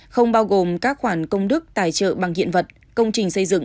không bao gồm các khoản công đức tài trợ bằng hiện tích